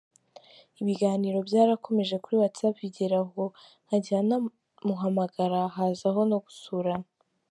Ibiganiro byarakomeje kuri whatsapp bigeraho nkajya namuhamagara, hazaho no gusurana .